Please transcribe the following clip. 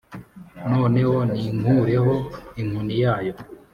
noneho ninkureho inkoni yayo,